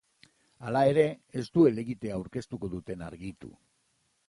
Hala ere, ez du helegitea aurkeztuko duten argitu.